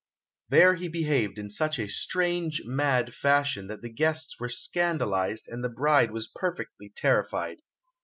There he behaved in such a strange, mad fashion that the guests were scandalised, and the bride was perfectly terrified.